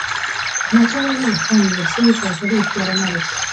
د احمدشاه بابا له خوا نیول سوي فيصلي هوښیارانه وي.